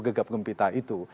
gegap gempita itu